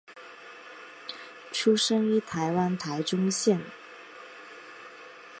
出生于台湾台中县。